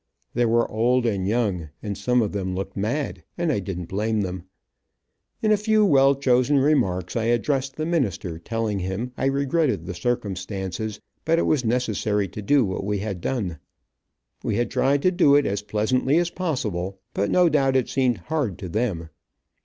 There were old and young, and some of them looked mad, and I didn't blame them. In a few well chosen remarks I addressed the minister, telling him I regretted the circumstances, but it was necessary to do what we had done. We had tried to do it as pleasantly as possible, but no doubt it seemed hard to them.